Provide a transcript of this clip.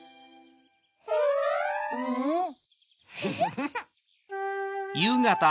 フフフ。